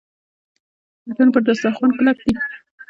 پښتانه پر دسترخوان کلک دي.